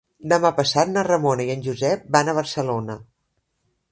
Demà passat na Ramona i en Josep van a Barcelona.